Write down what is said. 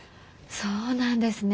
そうなんですね。